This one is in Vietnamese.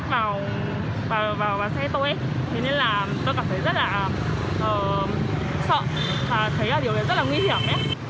thế nên là tôi cảm thấy rất là sợ và thấy điều này rất là nguy hiểm